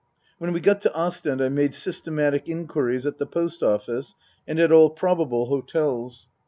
When we got to Ostend I made systematic inquiries at the Post Office and at all probable hotels.